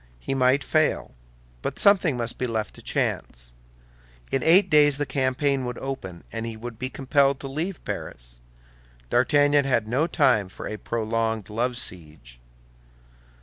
He might fail, but something must be left to chance. In eight days the campaign would open, and he would be compelled to leave Paris; D'Artagnan had no time for a prolonged love siege.